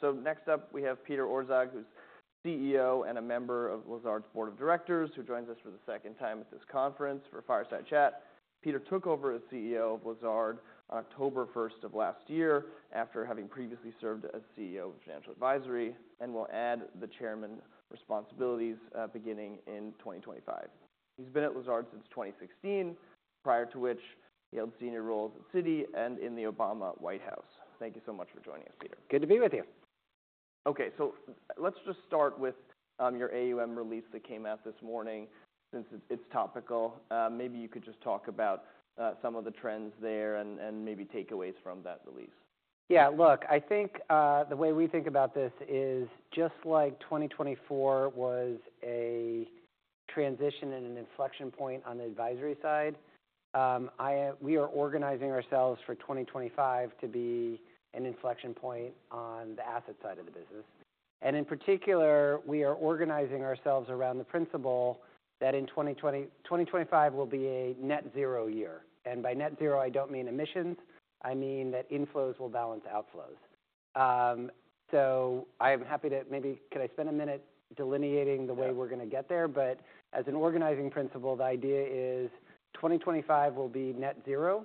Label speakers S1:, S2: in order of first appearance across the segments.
S1: So next up we have Peter Orszag, who's CEO and a member of Lazard's board of directors, who joins us for the second time at this conference for Fireside Chat. Peter took over as CEO of Lazard on October 1st of last year after having previously served as CEO of Financial Advisory and will add the Chairman responsibilities, beginning in 2025. He's been at Lazard since 2016, prior to which he held senior roles at Citi and in the Obama White House. Thank you so much for joining us, Peter.
S2: Good to be with you.
S1: Okay, so let's just start with your AUM release that came out this morning. Since it's topical, maybe you could just talk about some of the trends there and maybe takeaways from that please.
S2: Yeah. Look, I think the way we think about this is just like 2024 was a transition and an inflection point on the advisory side. We are organizing ourselves for 2025 to be an inflection point on the asset side of the business. And in particular, we are organizing ourselves around the principle that in 2025 will be a net zero year. And by net zero, I don't mean emissions. I mean that inflows will balance outflows. So I'm happy to maybe could I spend a minute delineating the way we're gonna get there?
S1: Mm-hmm.
S2: But as an organizing principle, the idea is 2025 will be net zero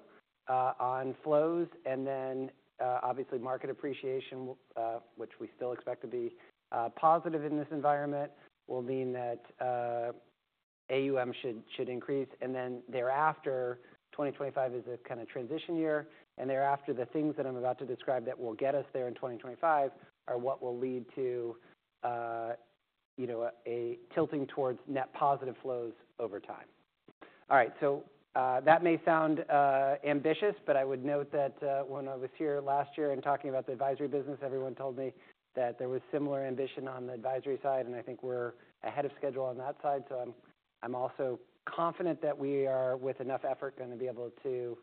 S2: on flows. And then, obviously, market appreciation will, which we still expect to be positive in this environment, will mean that AUM should increase. And then thereafter, 2025 is a kinda transition year. And thereafter, the things that I'm about to describe that will get us there in 2025 are what will lead to, you know, a tilting towards net positive flows over time. All right. So that may sound ambitious, but I would note that when I was here last year and talking about the advisory business, everyone told me that there was similar ambition on the advisory side. And I think we're ahead of schedule on that side. So I'm also confident that we are, with enough effort, gonna be able to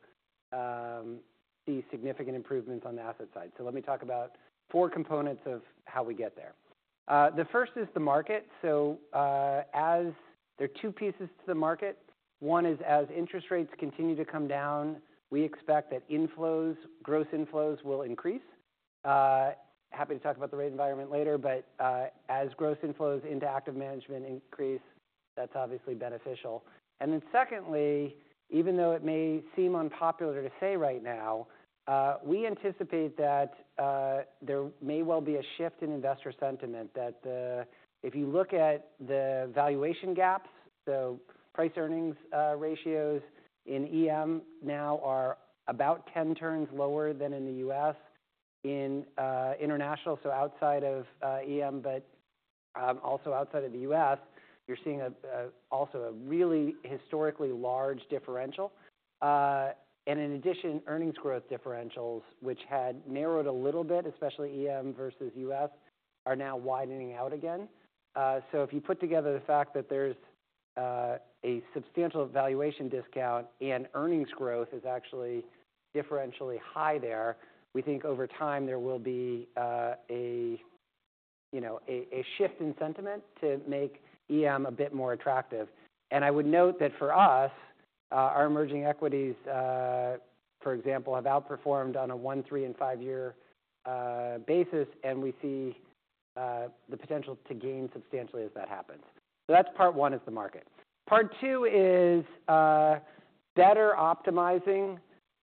S2: see significant improvements on the asset side. So let me talk about four components of how we get there. The first is the market. So, as there are two pieces to the market. One is as interest rates continue to come down, we expect that inflows, gross inflows, will increase. Happy to talk about the rate environment later. But, as gross inflows into active management increase, that's obviously beneficial. And then secondly, even though it may seem unpopular to say right now, we anticipate that there may well be a shift in investor sentiment that if you look at the valuation gaps, so price-earnings ratios in EM now are about 10 turns lower than in the U.S., international, so outside of EM, but also outside of the U.S., you're seeing a really historically large differential. And in addition, earnings growth differentials, which had narrowed a little bit, especially EM versus U.S., are now widening out again. So if you put together the fact that there's a substantial valuation discount and earnings growth is actually differentially high there, we think over time there will be a, you know, a shift in sentiment to make EM a bit more attractive. And I would note that for us, our emerging equities, for example, have outperformed on a one, three, and five-year basis. And we see the potential to gain substantially as that happens. So that's part one is the market. Part two is better optimizing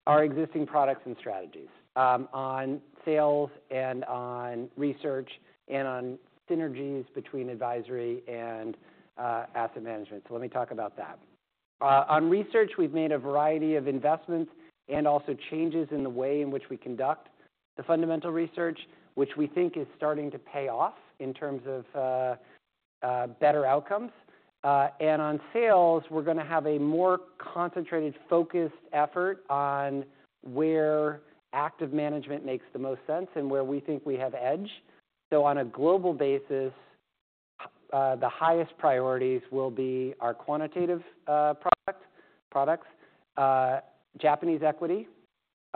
S2: our existing products and strategies, on sales and on research and on synergies between advisory and asset management. So let me talk about that. On research, we've made a variety of investments and also changes in the way in which we conduct the fundamental research, which we think is starting to pay off in terms of better outcomes. And on sales, we're gonna have a more concentrated, focused effort on where active management makes the most sense and where we think we have edge. So on a global basis, the highest priorities will be our quantitative, product, products, Japanese equity,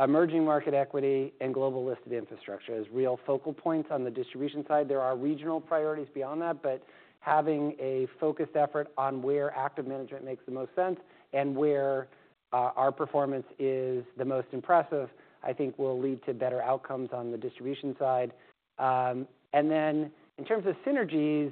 S2: emerging market equity, and global listed infrastructure as real focal points on the distribution side. There are regional priorities beyond that. But having a focused effort on where active management makes the most sense and where our performance is the most impressive, I think will lead to better outcomes on the distribution side. And then in terms of synergies,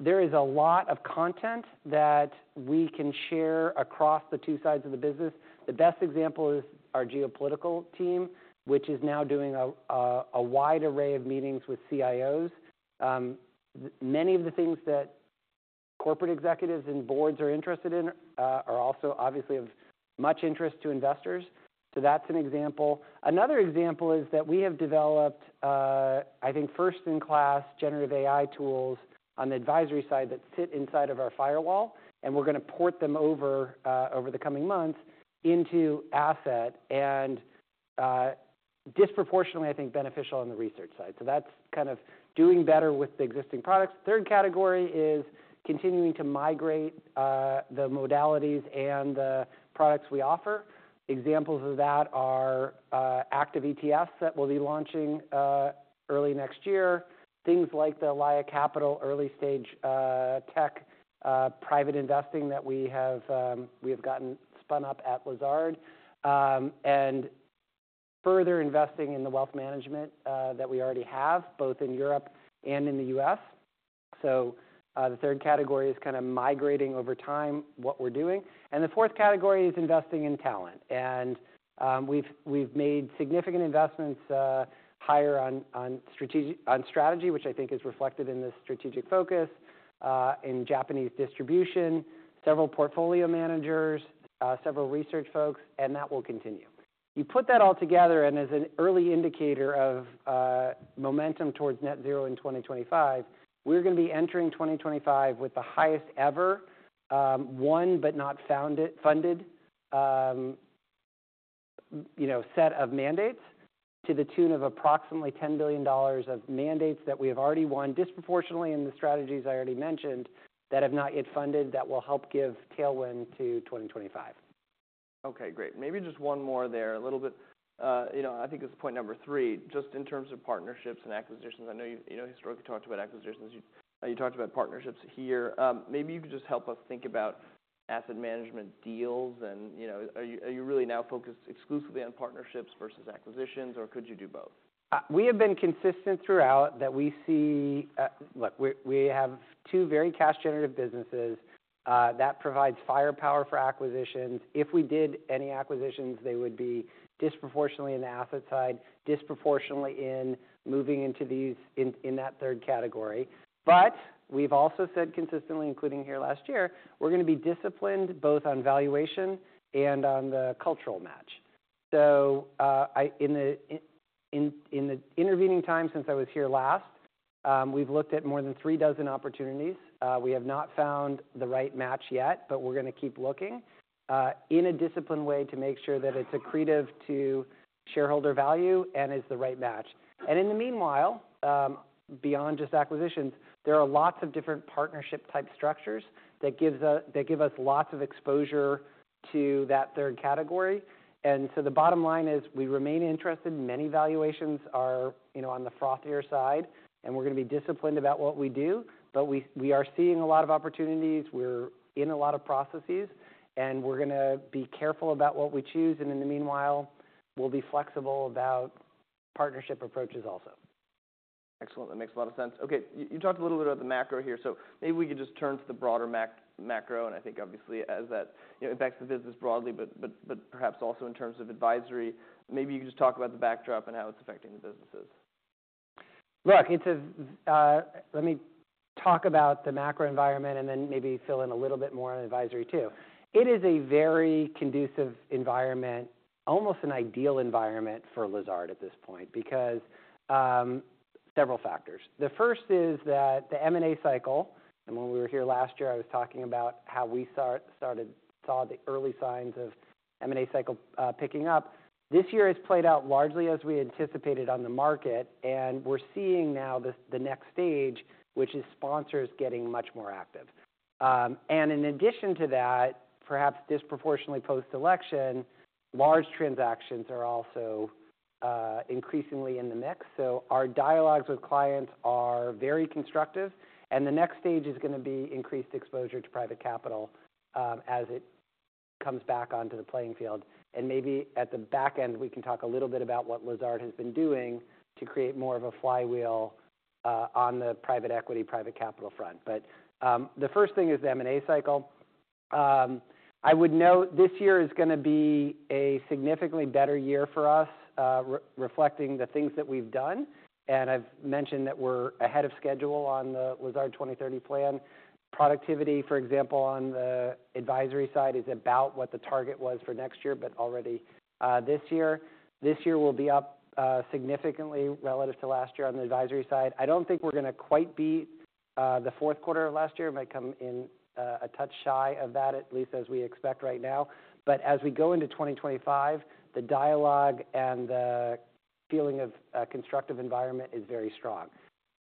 S2: there is a lot of content that we can share across the two sides of the business. The best example is our geopolitical team, which is now doing a wide array of meetings with CIOs. Many of the things that corporate executives and boards are interested in are also obviously of much interest to investors. So that's an example. Another example is that we have developed, I think, first-in-class generative AI tools on the advisory side that sit inside of our firewall, and we're gonna port them over the coming months into asset and, disproportionately, I think, beneficial on the research side. So that's kind of doing better with the existing products. Third category is continuing to migrate the modalities and the products we offer. Examples of that are active ETFs that we'll be launching early next year, things like the Elaia Capital early-stage tech private investing that we have, we have gotten spun up at Lazard, and further investing in the wealth management that we already have both in Europe and in the U.S.. So the third category is kinda migrating over time what we're doing. And the fourth category is investing in talent. And we've made significant investments higher on strategy, which I think is reflected in this strategic focus, in Japanese distribution, several portfolio managers, several research folks. And that will continue. You put that all together, and as an early indicator of momentum towards net zero in 2025, we're gonna be entering 2025 with the highest ever won but not funded, you know, set of mandates to the tune of approximately $10 billion of mandates that we have already won disproportionately in the strategies I already mentioned that have not yet funded that will help give tailwind to 2025.
S1: Okay. Great. Maybe just one more there, a little bit, you know, I think this is point number three. Just in terms of partnerships and acquisitions, I know you, you know, historically talked about acquisitions. You, you talked about partnerships here. Maybe you could just help us think about asset management deals. And, you know, are you, are you really now focused exclusively on partnerships versus acquisitions, or could you do both?
S2: We have been consistent throughout that we see, look, we have two very cash-generative businesses that provides firepower for acquisitions. If we did any acquisitions, they would be disproportionately in the asset side, disproportionately in moving into these in that third category. But we've also said consistently, including here last year, we're gonna be disciplined both on valuation and on the cultural match. So, in the intervening time since I was here last, we've looked at more than three dozen opportunities. We have not found the right match yet, but we're gonna keep looking, in a disciplined way to make sure that it's accretive to shareholder value and is the right match. And in the meanwhile, beyond just acquisitions, there are lots of different partnership-type structures that give us lots of exposure to that third category. And so the bottom line is we remain interested. Many valuations are, you know, on the frothier side. And we're gonna be disciplined about what we do. But we are seeing a lot of opportunities. We're in a lot of processes. And we're gonna be careful about what we choose. And in the meanwhile, we'll be flexible about partnership approaches also.
S1: Excellent. That makes a lot of sense. Okay. You talked a little bit about the macro here. So maybe we could just turn to the broader macro. And I think, obviously, as that, you know, impacts the business broadly, but perhaps also in terms of advisory. Maybe you could just talk about the backdrop and how it's affecting the businesses.
S2: Look, it's let me talk about the macro environment and then maybe fill in a little bit more on advisory too. It is a very conducive environment, almost an ideal environment for Lazard at this point because several factors. The first is that the M&A cycle, and when we were here last year, I was talking about how we saw the early signs of M&A cycle picking up. This year has played out largely as we anticipated on the market, and we're seeing now the next stage, which is sponsors getting much more active, and in addition to that, perhaps disproportionately post-election, large transactions are also increasingly in the mix, so our dialogues with clients are very constructive, and the next stage is gonna be increased exposure to private capital, as it comes back onto the playing field. And maybe at the back end, we can talk a little bit about what Lazard has been doing to create more of a flywheel on the private equity, private capital front. But the first thing is the M&A cycle. I would note this year is gonna be a significantly better year for us, reflecting the things that we've done. And I've mentioned that we're ahead of schedule on the Lazard 2030 plan. Productivity, for example, on the advisory side is about what the target was for next year, but already this year. This year will be up significantly relative to last year on the advisory side. I don't think we're gonna quite beat the fourth quarter of last year. It might come in a touch shy of that, at least as we expect right now. But as we go into 2025, the dialogue and the feeling of constructive environment is very strong.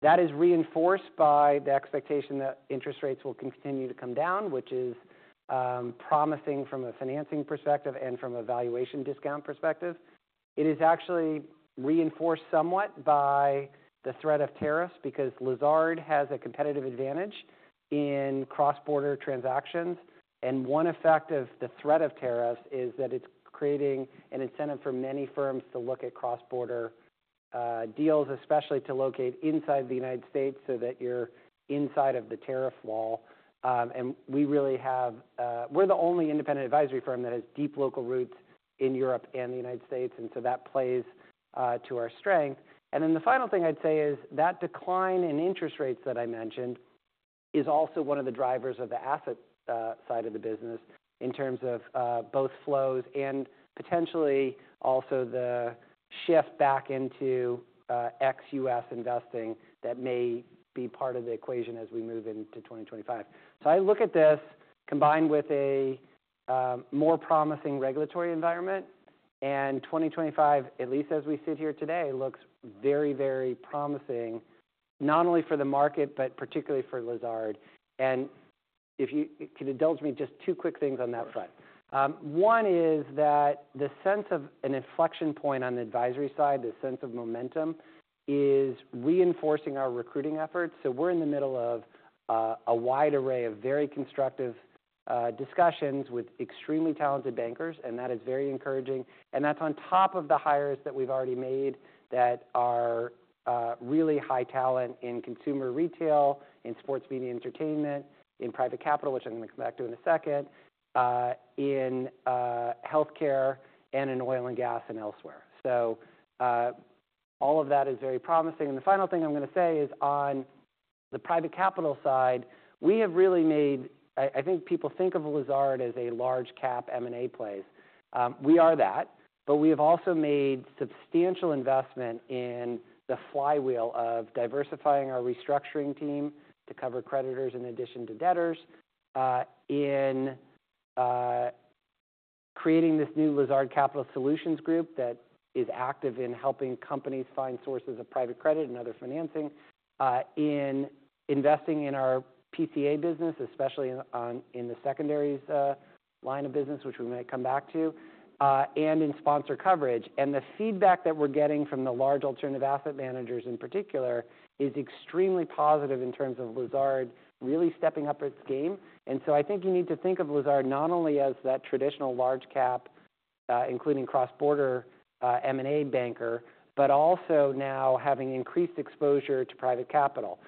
S2: That is reinforced by the expectation that interest rates will continue to come down, which is promising from a financing perspective and from a valuation discount perspective. It is actually reinforced somewhat by the threat of tariffs because Lazard has a competitive advantage in cross-border transactions. And one effect of the threat of tariffs is that it's creating an incentive for many firms to look at cross-border deals, especially to locate inside the United States so that you're inside of the tariff wall. And we really have, we're the only independent advisory firm that has deep local roots in Europe and the United States. And so that plays to our strength. And then the final thing I'd say is that decline in interest rates that I mentioned is also one of the drivers of the asset side of the business in terms of both flows and potentially also the shift back into ex-U.S. investing that may be part of the equation as we move into 2025. So I look at this combined with a more promising regulatory environment. And 2025, at least as we sit here today, looks very, very promising not only for the market but particularly for Lazard. And if you can indulge me just two quick things on that front.
S1: Sure.
S2: One is that the sense of an inflection point on the advisory side, the sense of momentum, is reinforcing our recruiting efforts. So we're in the middle of a wide array of very constructive discussions with extremely talented bankers. And that is very encouraging. And that's on top of the hires that we've already made that are really high talent in consumer retail, in sports, media, entertainment, in private capital, which I'm gonna come back to in a second, in healthcare and in oil and gas and elsewhere. So all of that is very promising. And the final thing I'm gonna say is on the private capital side, we have really made. I think people think of Lazard as a large-cap M&A place. We are that. We have also made substantial investment in the flywheel of diversifying our restructuring team to cover creditors in addition to debtors, in creating this new Lazard Capital Solutions Group that is active in helping companies find sources of private credit and other financing, in investing in our PCA business, especially in the secondaries line of business, which we might come back to, and in sponsor coverage. The feedback that we're getting from the large alternative asset managers in particular is extremely positive in terms of Lazard really stepping up its game. So I think you need to think of Lazard not only as that traditional large-cap, including cross-border, M&A banker, but also now having increased exposure to private capital.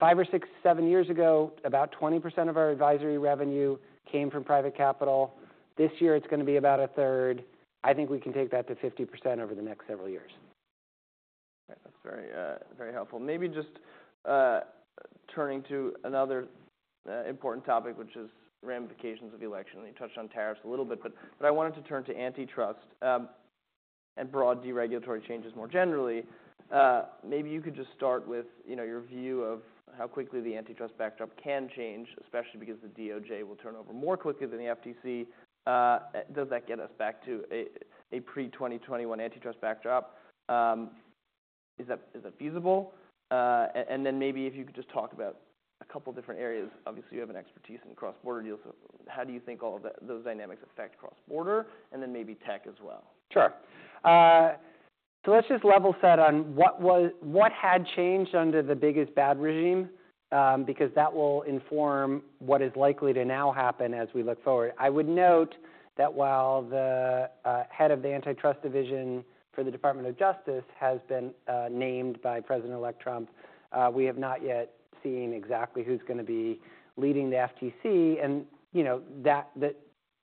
S2: Five or six, seven years ago, about 20% of our advisory revenue came from private capital. This year, it's gonna be about a third. I think we can take that to 50% over the next several years.
S1: Okay. That's very, very helpful. Maybe just turning to another important topic, which is ramifications of the election. And you touched on tariffs a little bit. But I wanted to turn to antitrust and broad deregulatory changes more generally. Maybe you could just start with, you know, your view of how quickly the antitrust backdrop can change, especially because the DOJ will turn over more quickly than the FTC. Does that get us back to a pre-2021 antitrust backdrop? Is that feasible? And then maybe if you could just talk about a couple different areas. Obviously, you have an expertise in cross-border deals. So how do you think all of those dynamics affect cross-border and then maybe tech as well?
S2: Sure. So let's just level set on what was, what had changed under the big is bad regime, because that will inform what is likely to now happen as we look forward. I would note that while the head of the antitrust division for the Department of Justice has been named by President-elect Trump, we have not yet seen exactly who's gonna be leading the FTC. You know, that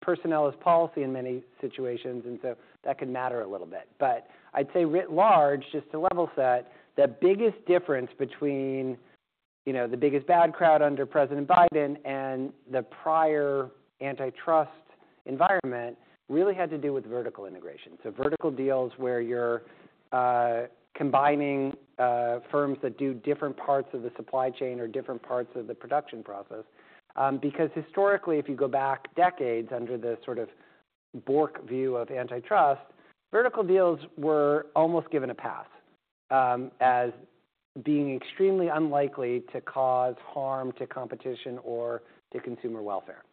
S2: personnel is policy in many situations. And so that can matter a little bit. But I'd say writ large, just to level set, the biggest difference between, you know, the big is bad crowd under President Biden and the prior antitrust environment really had to do with vertical integration. So vertical deals where you're combining firms that do different parts of the supply chain or different parts of the production process. Because historically, if you go back decades under the sort of Bork view of antitrust, vertical deals were almost given a pass, as being extremely unlikely to cause harm to competition or to consumer welfare.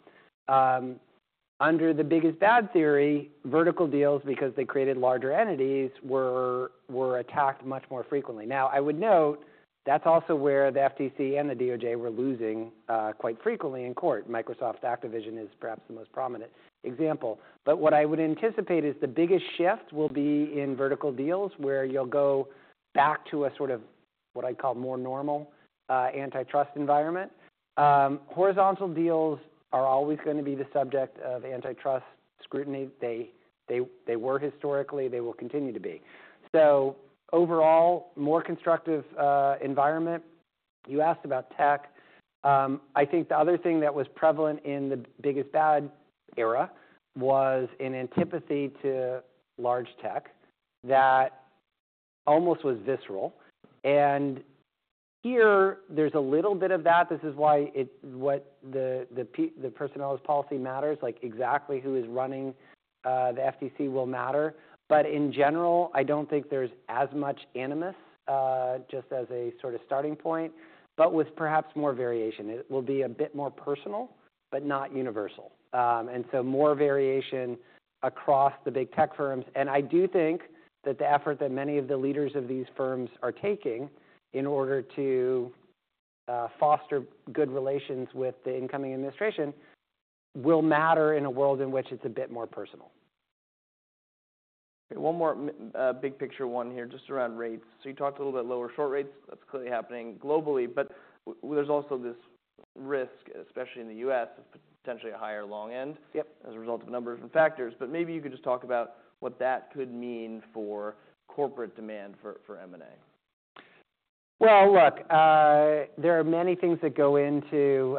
S2: Under the biggest bad theory, vertical deals, because they created larger entities, were attacked much more frequently. Now, I would note that's also where the FTC and the DOJ were losing quite frequently in court. Microsoft Activision is perhaps the most prominent example. But what I would anticipate is the biggest shift will be in vertical deals where you'll go back to a sort of what I'd call more normal antitrust environment. Horizontal deals are always gonna be the subject of antitrust scrutiny. They were historically. They will continue to be. So overall, more constructive environment. You asked about tech. I think the other thing that was prevalent in the Biden era was an antipathy to large tech that almost was visceral. And here, there's a little bit of that. This is why the personnel is policy matters, like exactly who is running the FTC will matter. But in general, I don't think there's as much animus, just as a sort of starting point, but with perhaps more variation. It will be a bit more personal but not universal, and so more variation across the big tech firms. And I do think that the effort that many of the leaders of these firms are taking in order to foster good relations with the incoming administration will matter in a world in which it's a bit more personal.
S1: Okay. One more, big picture one here just around rates. So you talked a little bit lower short rates. That's clearly happening globally. But there's also this risk, especially in the U.S., of potentially a higher long end.
S2: Yep.
S1: As a result of numbers and factors. But maybe you could just talk about what that could mean for corporate demand for M&A.
S2: Well, look, there are many things that go into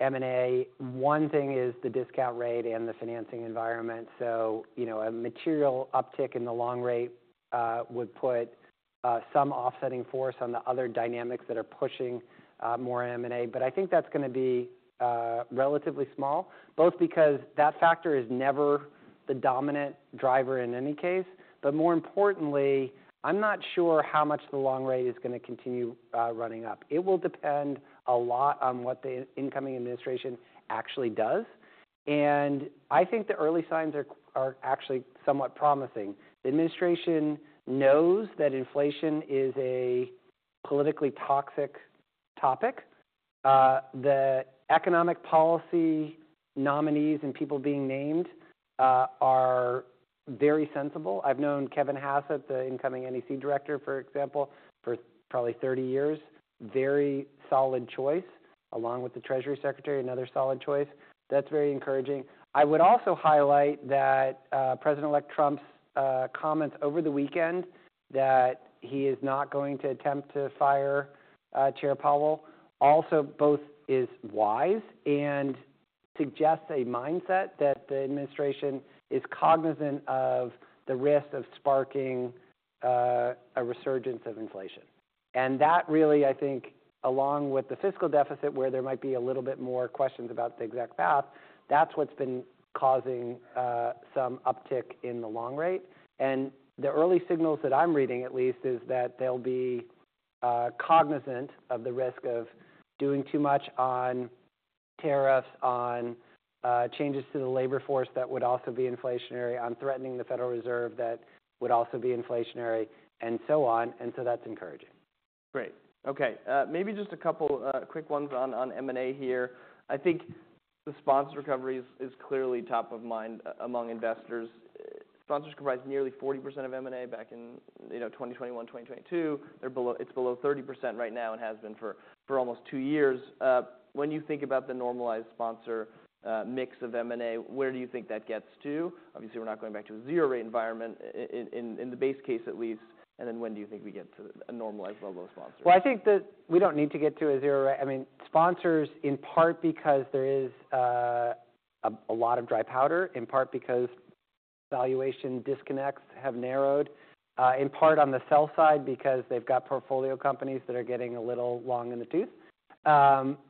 S2: M&A. One thing is the discount rate and the financing environment. So, you know, a material uptick in the long rate would put some offsetting force on the other dynamics that are pushing more M&A. But I think that's gonna be relatively small, both because that factor is never the dominant driver in any case. But more importantly, I'm not sure how much the long rate is gonna continue running up. It will depend a lot on what the incoming administration actually does. And I think the early signs are actually somewhat promising. The administration knows that inflation is a politically toxic topic. The economic policy nominees and people being named are very sensible. I've known Kevin Hassett, the incoming NEC Director, for example, for probably 30 years. Very solid choice, along with the Treasury Secretary, another solid choice. That's very encouraging. I would also highlight that President-elect Trump's comments over the weekend that he is not going to attempt to fire Chair Powell also both is wise and suggests a mindset that the administration is cognizant of the risk of sparking a resurgence of inflation. And that really, I think, along with the fiscal deficit, where there might be a little bit more questions about the exact path, that's what's been causing some uptick in the long rate. And the early signals that I'm reading, at least, is that they'll be cognizant of the risk of doing too much on tariffs, on changes to the labor force that would also be inflationary, on threatening the Federal Reserve that would also be inflationary, and so on. And so that's encouraging.
S1: Great. Okay, maybe just a couple quick ones on M&A here. I think the sponsor recovery is clearly top of mind among investors. Sponsors comprise nearly 40% of M&A back in, you know, 2021, 2022. They're below. It's below 30% right now and has been for almost two years. When you think about the normalized sponsor mix of M&A, where do you think that gets to? Obviously, we're not going back to a zero-rate environment in the base case, at least, and then when do you think we get to a normalized level of sponsor?
S2: Well, I think that we don't need to get to a zero-rate. I mean, sponsors, in part because there is a lot of dry powder, in part because valuation disconnects have narrowed, in part on the sell side because they've got portfolio companies that are getting a little long in the tooth.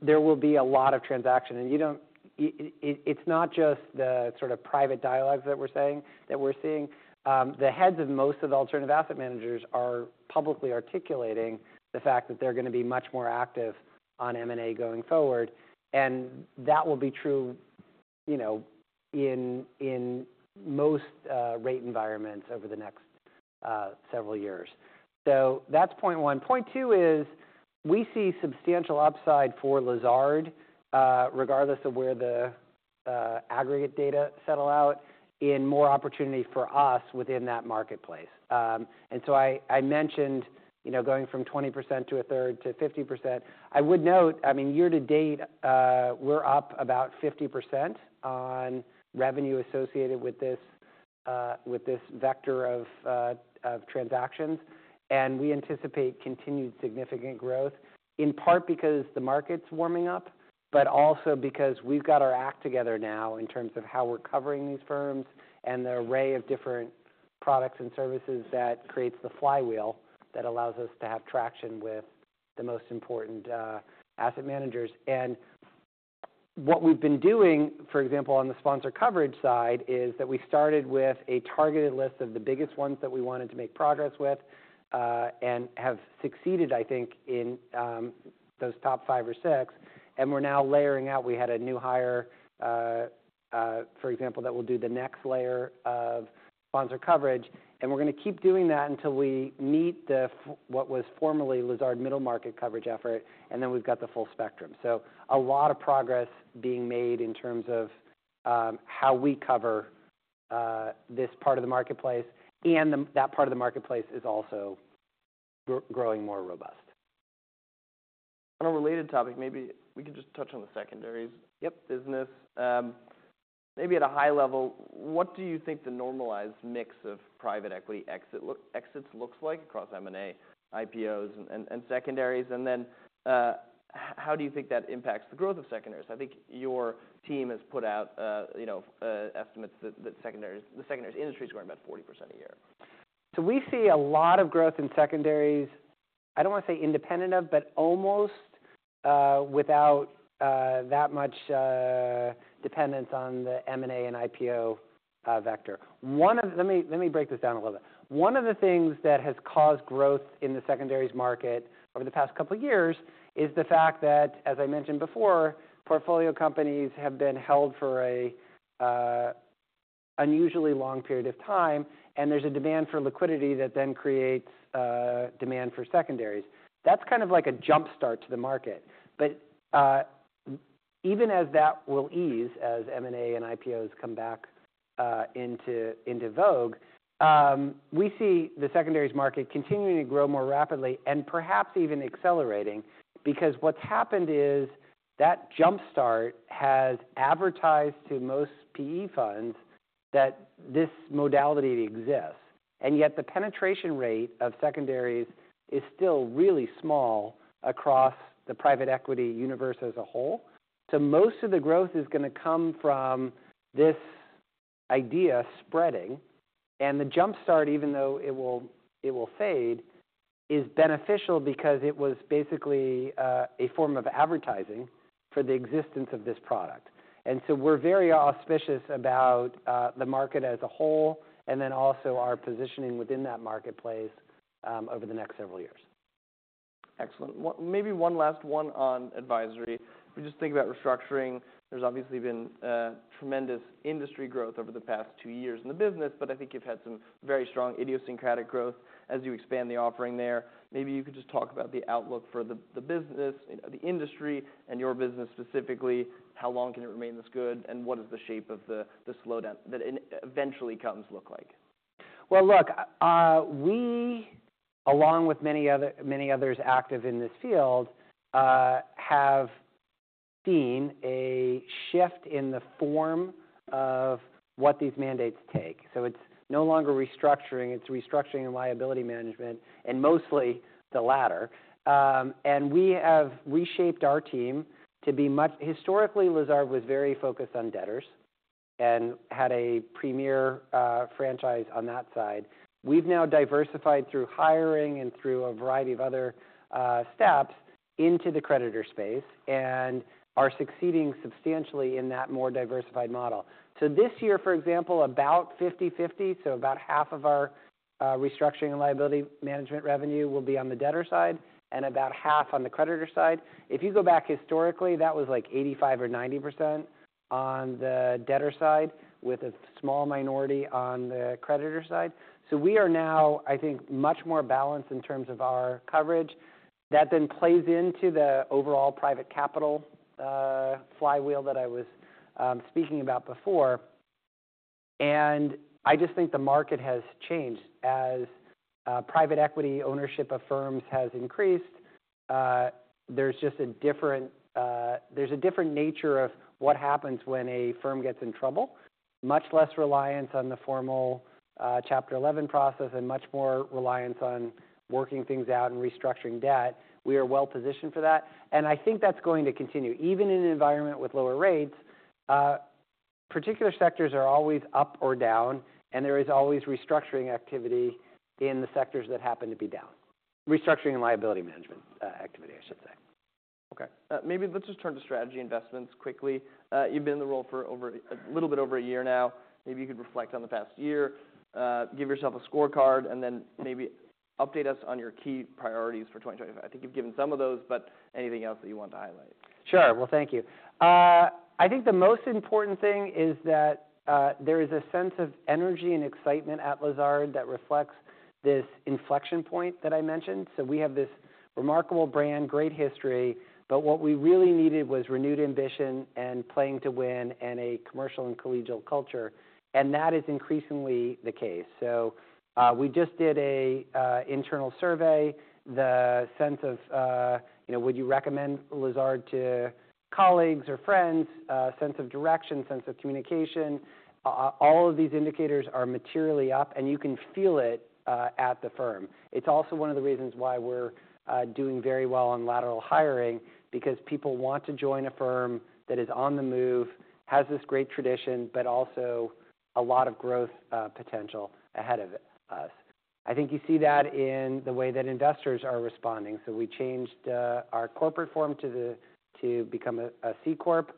S2: There will be a lot of transaction. And it's not just the sort of private dialogues that we're saying that we're seeing. The heads of most of the alternative asset managers are publicly articulating the fact that they're gonna be much more active on M&A going forward. And that will be true, you know, in most rate environments over the next several years. So that's point one. Point two is we see substantial upside for Lazard, regardless of where the aggregate data settle out in more opportunity for us within that marketplace. And so I mentioned, you know, going from 20% to a third to 50%. I would note, I mean, year to date, we're up about 50% on revenue associated with this vector of transactions. And we anticipate continued significant growth, in part because the market's warming up, but also because we've got our act together now in terms of how we're covering these firms and the array of different products and services that creates the flywheel that allows us to have traction with the most important asset managers. And what we've been doing, for example, on the sponsor coverage side, is that we started with a targeted list of the biggest ones that we wanted to make progress with, and have succeeded, I think, in those top five or six. And we're now layering out. We had a new hire, for example, that will do the next layer of sponsor coverage, and we're gonna keep doing that until we meet what was formerly Lazard middle market coverage effort, and then we've got the full spectrum, so a lot of progress being made in terms of how we cover this part of the marketplace, and that part of the marketplace is also growing more robust.
S1: On a related topic, maybe we could just touch on the secondaries.
S2: Yep.
S1: Business. Maybe at a high level, what do you think the normalized mix of private equity exits looks like across M&A, IPOs, and secondaries? And then, how do you think that impacts the growth of secondaries? I think your team has put out, you know, some estimates that the secondaries industry is growing about 40% a year.
S2: So we see a lot of growth in secondaries. I don't wanna say independent of, but almost, without, that much, dependence on the M&A and IPO vector. Let me break this down a little bit. One of the things that has caused growth in the secondaries market over the past couple of years is the fact that, as I mentioned before, portfolio companies have been held for a unusually long period of time. And there's a demand for liquidity that then creates demand for secondaries. That's kind of like a jumpstart to the market. But even as that will ease, as M&A and IPOs come back into vogue, we see the secondaries market continuing to grow more rapidly and perhaps even accelerating because what's happened is that jumpstart has advertised to most PE funds that this modality exists. And yet the penetration rate of secondaries is still really small across the private equity universe as a whole. So most of the growth is gonna come from this idea spreading. And the jumpstart, even though it will fade, is beneficial because it was basically a form of advertising for the existence of this product. And so we're very bullish about the market as a whole and then also our positioning within that marketplace, over the next several years.
S1: Excellent. One last one on advisory. We just think about restructuring. There's obviously been tremendous industry growth over the past two years in the business. But I think you've had some very strong idiosyncratic growth as you expand the offering there. Maybe you could just talk about the outlook for the business, you know, the industry and your business specifically. How long can it remain this good? And what is the shape of the slowdown that inevitably comes look like?
S2: Well, look, we, along with many others active in this field, have seen a shift in the form of what these mandates take, so it's no longer restructuring. It's restructuring and liability management and mostly the latter, and we have reshaped our team to be much historically. Lazard was very focused on debtors and had a premier franchise on that side. We've now diversified through hiring and through a variety of other steps into the creditor space and are succeeding substantially in that more diversified model, so this year, for example, about 50/50, so about half of our restructuring and liability management revenue will be on the debtor side and about half on the creditor side. If you go back historically, that was like 85% or 90% on the debtor side with a small minority on the creditor side. So we are now, I think, much more balanced in terms of our coverage. That then plays into the overall private capital flywheel that I was speaking about before. I just think the market has changed as private equity ownership of firms has increased. There's a different nature of what happens when a firm gets in trouble. Much less reliance on the formal Chapter 11 process and much more reliance on working things out and restructuring debt. We are well-positioned for that. I think that's going to continue. Even in an environment with lower rates, particular sectors are always up or down. There is always restructuring activity in the sectors that happen to be down. Restructuring and liability management activity, I should say.
S1: Okay. Maybe let's just turn to strategic investments quickly. You've been in the role for over a little bit over a year now. Maybe you could reflect on the past year, give yourself a scorecard, and then maybe update us on your key priorities for 2025. I think you've given some of those, but anything else that you want to highlight?
S2: Sure. Well, thank you. I think the most important thing is that there is a sense of energy and excitement at Lazard that reflects this inflection point that I mentioned. So we have this remarkable brand, great history. But what we really needed was renewed ambition and playing to win and a commercial and collegial culture. And that is increasingly the case. So we just did an internal survey. The sense of you know would you recommend Lazard to colleagues or friends, sense of direction, sense of communication. All of these indicators are materially up. And you can feel it at the firm. It's also one of the reasons why we're doing very well on lateral hiring because people want to join a firm that is on the move, has this great tradition, but also a lot of growth potential ahead of us. I think you see that in the way that investors are responding, so we changed our corporate form to become a C Corp.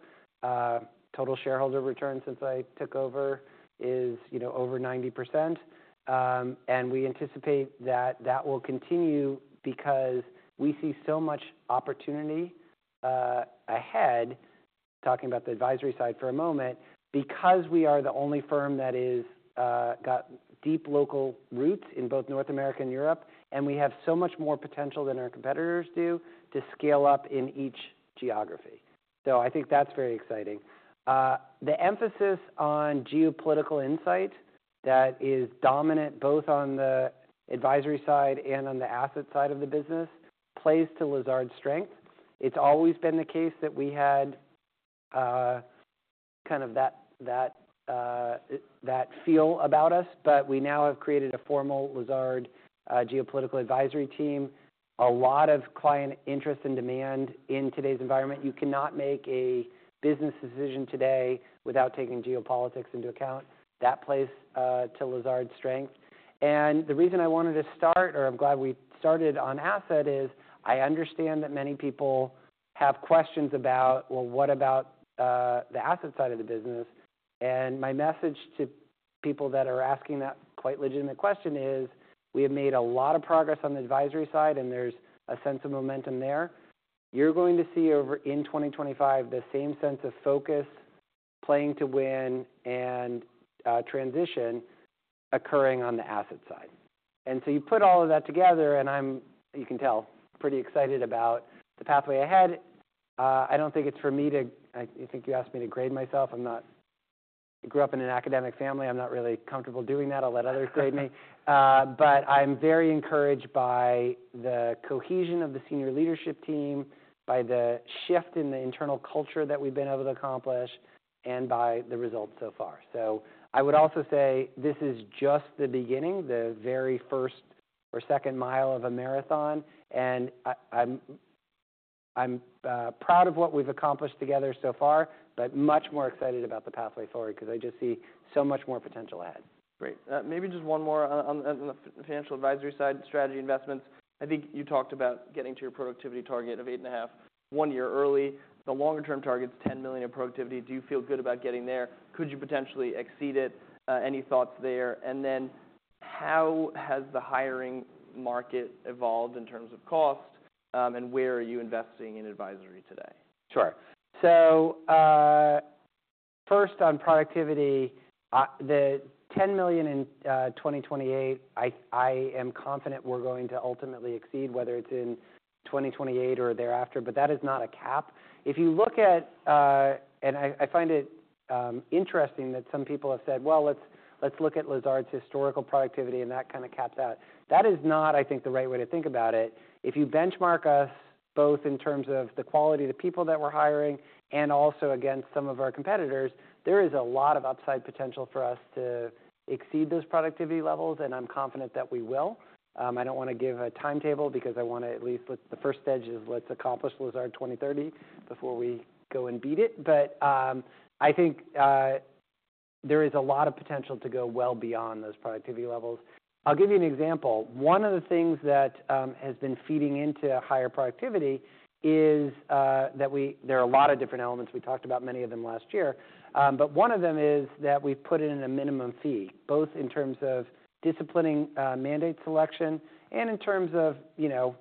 S2: Total shareholder return since I took over is, you know, over 90%, and we anticipate that that will continue because we see so much opportunity ahead. Talking about the advisory side for a moment, because we are the only firm that is got deep local roots in both North America and Europe, and we have so much more potential than our competitors do to scale up in each geography, so I think that's very exciting. The emphasis on geopolitical insight that is dominant both on the advisory side and on the asset side of the business plays to Lazard's strength. It's always been the case that we had kind of that feel about us. We now have created a formal Lazard Geopolitical Advisory team. A lot of client interest and demand in today's environment. You cannot make a business decision today without taking geopolitics into account. That plays to Lazard's strength. The reason I wanted to start, or I'm glad we started on asset, is I understand that many people have questions about, well, what about, the asset side of the business? My message to people that are asking that quite legitimate question is we have made a lot of progress on the advisory side. There's a sense of momentum there. You're going to see over in 2025 the same sense of focus, playing to win, and transition occurring on the asset side. So you put all of that together. I'm, you can tell, pretty excited about the pathway ahead. I don't think it's for me to. I think you asked me to grade myself. I'm not. I grew up in an academic family. I'm not really comfortable doing that. I'll let others grade me. But I'm very encouraged by the cohesion of the senior leadership team, by the shift in the internal culture that we've been able to accomplish, and by the results so far. So I would also say this is just the beginning, the very first or second mile of a marathon. And I'm proud of what we've accomplished together so far, but much more excited about the pathway forward because I just see so much more potential ahead.
S1: Great. Maybe just one more on the financial advisory side, strategy investments. I think you talked about getting to your productivity target of $8.5 million one year early. The longer-term target's $10 million of productivity. Do you feel good about getting there? Could you potentially exceed it? Any thoughts there? And then how has the hiring market evolved in terms of cost? And where are you investing in advisory today?
S2: Sure. So, first on productivity, the $10 million in 2028, I am confident we're going to ultimately exceed, whether it's in 2028 or thereafter. But that is not a cap. If you look at, and I find it interesting that some people have said, "Well, let's look at Lazard's historical productivity." And that kinda caps out. That is not, I think, the right way to think about it. If you benchmark us both in terms of the quality of the people that we're hiring and also against some of our competitors, there is a lot of upside potential for us to exceed those productivity levels. And I'm confident that we will. I don't wanna give a timetable because I wanna at least let the first step is let's accomplish Lazard 2030 before we go and beat it. But I think there is a lot of potential to go well beyond those productivity levels. I'll give you an example. One of the things that has been feeding into higher productivity is that there are a lot of different elements. We talked about many of them last year. But one of them is that we've put in a minimum fee, both in terms of disciplining mandate selection and in terms of, you know,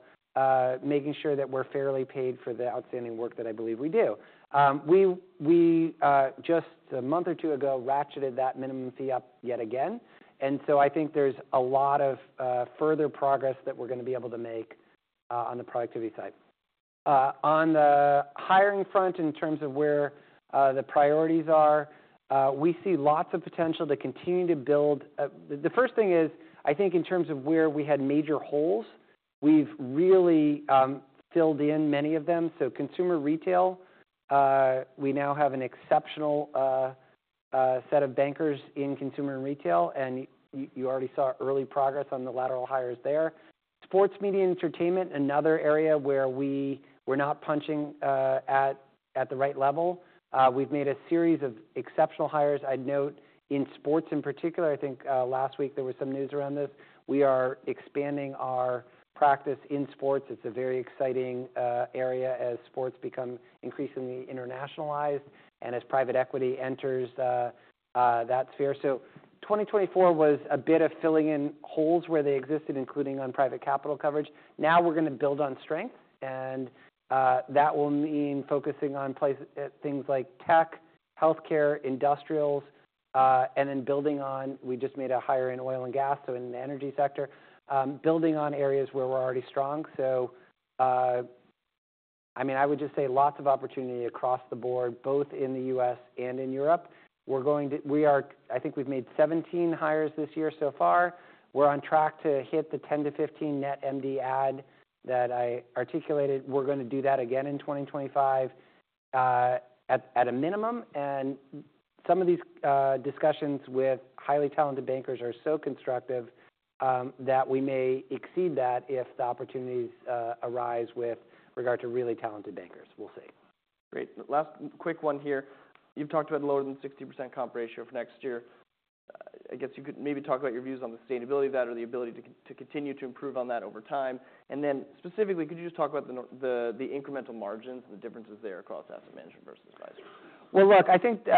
S2: making sure that we're fairly paid for the outstanding work that I believe we do. We just a month or two ago ratcheted that minimum fee up yet again. So I think there's a lot of further progress that we're gonna be able to make on the productivity side. On the hiring front, in terms of where the priorities are, we see lots of potential to continue to build. The first thing is I think in terms of where we had major holes, we've really filled in many of them, so consumer retail, we now have an exceptional set of bankers in consumer and retail, and you already saw early progress on the lateral hires there. Sports, media, and entertainment, another area where we were not punching at the right level, we've made a series of exceptional hires. I'd note in sports in particular, I think, last week there was some news around this. We are expanding our practice in sports. It's a very exciting area as sports become increasingly internationalized and as private equity enters that sphere, so 2024 was a bit of filling in holes where they existed, including on private capital coverage. Now we're gonna build on strength. That will mean focusing on plays, things like tech, healthcare, industrials, and then building on. We just made a hire in oil and gas, so in the energy sector, building on areas where we're already strong. So, I mean, I would just say lots of opportunity across the board, both in the U.S. and in Europe. We're going to. We are. I think we've made 17 hires this year so far. We're on track to hit the 10-15 net MD adds that I articulated. We're gonna do that again in 2025, at a minimum. Some of these discussions with highly talented bankers are so constructive, that we may exceed that if the opportunities arise with regard to really talented bankers. We'll see.
S1: Great. Last quick one here. You've talked about lower than 60% comp ratio for next year. I guess you could maybe talk about your views on the sustainability of that or the ability to continue to improve on that over time. And then specifically, could you just talk about the incremental margins and the differences there across asset management versus advisory?
S2: Look, I think, so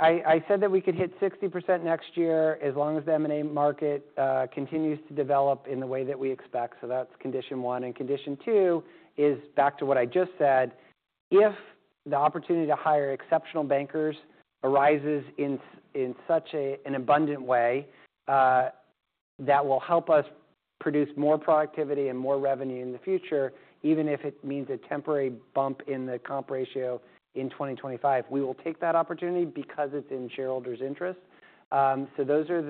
S2: I said that we could hit 60% next year as long as the M&A market continues to develop in the way that we expect. So that's condition one. And condition two is back to what I just said. If the opportunity to hire exceptional bankers arises in such an abundant way, that will help us produce more productivity and more revenue in the future, even if it means a temporary bump in the comp ratio in 2025, we will take that opportunity because it's in Lazard's interest. So those are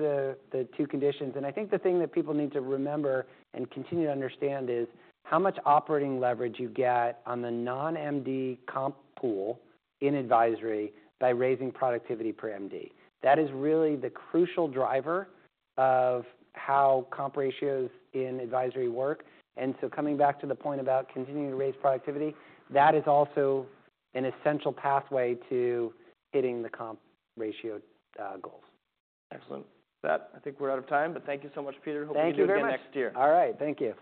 S2: the two conditions. And I think the thing that people need to remember and continue to understand is how much operating leverage you get on the non-MD comp pool in advisory by raising productivity per MD. That is really the crucial driver of how comp ratios in advisory work. And so coming back to the point about continuing to raise productivity, that is also an essential pathway to hitting the comp ratio goals.
S1: Excellent. That, I think, we're out of time. But thank you so much, Peter. Hope you enjoy the next year.
S2: Thank you, Richard. All right. Thank you.